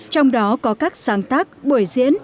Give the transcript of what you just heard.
trong đó có các sáng tác buổi diễn